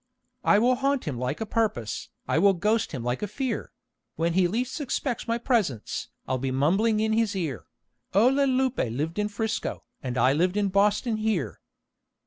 I will haunt him like a purpose, I will ghost him like a fear; When he least expects my presence, I'll be mumbling in his ear, "O Le Lupe lived in Frisco, and I lived in Boston here.